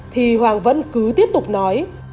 thì hoàng vẫn cứ tiếp tục nói